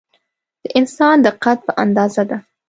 د انسان د قد په اندازه ده.